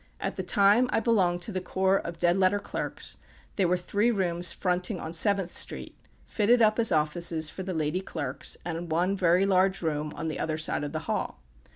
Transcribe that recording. At the time I belonged to the corps of dead letter clerks, there were three rooms fronting on Seventh street, fitted up as offices for the lady clerks, and one very large room on the other side of the hall.